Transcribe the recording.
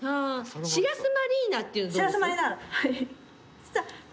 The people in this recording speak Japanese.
「シラスマリーナ」っていうのどうです？